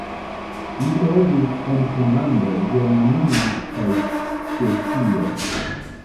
Li loĝis en Finnlando, Germanio kaj Ĉeĥio.